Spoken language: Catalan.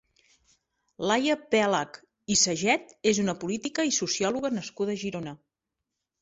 Laia Pèlach i Saget és una política i sociòloga nascuda a Girona.